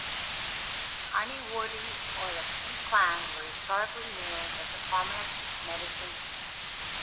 The Aniwodi or the Paint Clan were historically known as a prominent medicine people.